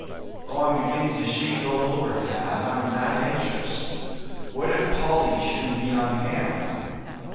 Oh! I'm beginning to shake all over, Thad, I'm that anxious. What if Polly shouldn't be on hand?